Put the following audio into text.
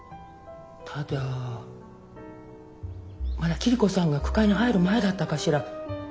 ただまだ桐子さんが句会に入る前だったかしら。